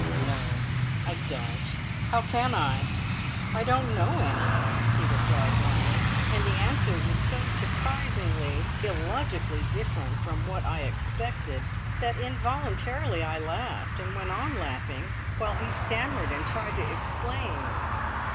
"No I don't. How can I? I don't know any," he replied bluntly, and the answer was so surprisingly, illogically different from what I expected, that involuntarily I laughed, and went on laughing while he stammered and tried to explain.